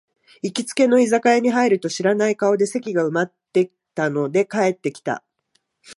行きつけの居酒屋に入ると、知らない顔で席が埋まってたので帰ってきた